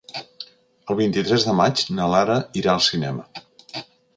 El vint-i-tres de maig na Lara irà al cinema.